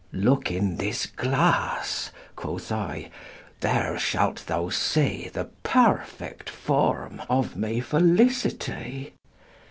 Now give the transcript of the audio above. Looke in this glasse (quoth I) there shalt thou see The perfect forme of my felicitie.